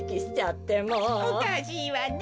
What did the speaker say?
おかしいわね